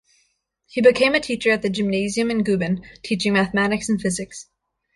He became a teacher at the Gymnasium in Guben, teaching mathematics and physics.